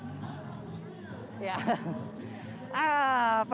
di sebelah sana iya kita lihat sedikit